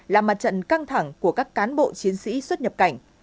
là mặt trận căng thẳng của các cán bộ chiến sĩ xuất nhập cảnh